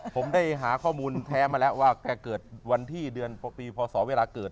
ผมได้หาข้อมูลแท้มาแล้วว่าแกเกิดวันที่เดือนปีพศเวลาเกิด